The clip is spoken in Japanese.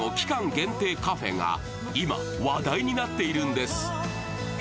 限定カフェが今、話題になっているんです。